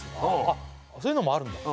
あっそういうのもあるんだ